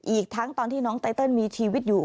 อีกทั้งตอนที่น้องไตเติลมีชีวิตอยู่